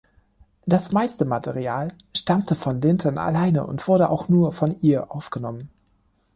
Das meiste Material stammte von Linton alleine und wurde auch nur von ihr aufgenommen.